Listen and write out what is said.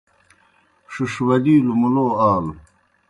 ݜِݜ ولِیلوْ مُلو آلوْ۔